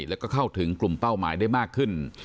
แล้วก็เข้าถึงกลุ่มเป้าหมายได้มากขึ้น